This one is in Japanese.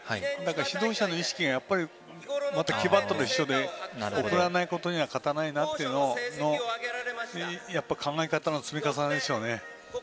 指導者の意識が木バットと一緒で送らないことには勝てないなということの考え方の積み重ねでしょうね。